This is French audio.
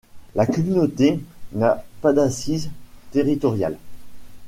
La communauté n'a pas d'assise territoriale.